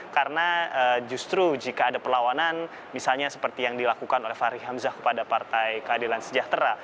karena justru jika ada perlawanan misalnya seperti yang dilakukan oleh fahri hamzah pada partai keadilan sejahtera